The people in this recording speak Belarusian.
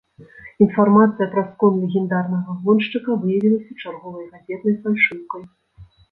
Інфармацыя пра скон легендарнага гоншчыка выявілася чарговай газетнай фальшыўкай.